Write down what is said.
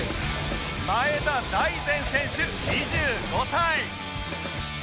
前田大然選手２５歳